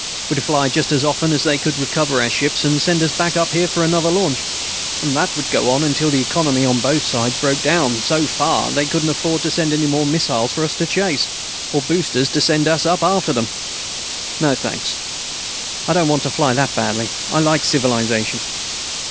We'd fly just as often as they could recover our ships and send us back up here for another launch. And that would go on until the economy on both sides broke down so far they couldn't make any more missiles for us to chase, or boosters to send us up after them. No thanks. I don't want to fly that badly. I like civilization."